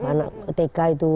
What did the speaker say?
anak tk itu